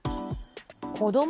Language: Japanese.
子ども